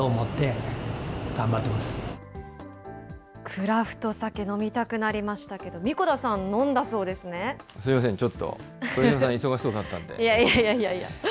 クラフトサケ、飲みたくなりましたけど、神子田さん、すみません、ちょっと、いやいやいや。